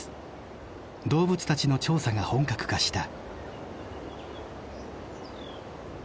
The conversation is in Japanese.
動物たちの調査が本格化した。